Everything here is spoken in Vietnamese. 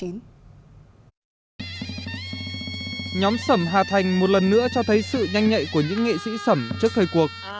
nhóm sẩm hà thành một lần nữa cho thấy sự nhanh nhạy của những nghệ sĩ sẩm trước thời cuộc